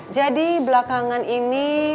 jadi belakangan ini